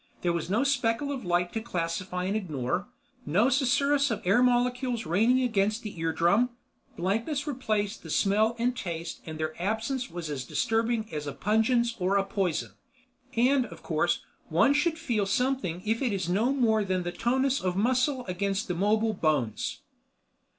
There was no speckle of light to classify and ignore, no susurrus of air molecules raining against the eardrum. Blankness replaced the smell and taste and their absence was as disturbing as a pungence or a poison. And, of course, one should feel something if it is no more than the tonus of muscle against the mobile bones.